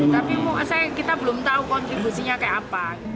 tapi kita belum tahu kontribusinya kayak apa